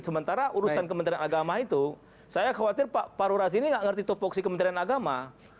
sementara urusan kementerian agama itu saya khawatir pak pak rurasi ini tidak mengerti topoksi kementerian agama